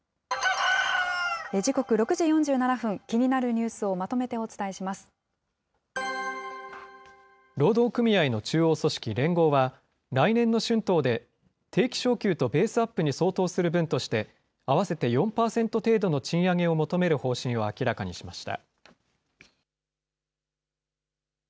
時刻６時４７分、気になるニュー労働組合の中央組織、連合は、来年の春闘で、定期昇給とベースアップに相当する分として合わせて４％程度の賃上げを求める方針を明らかにしました。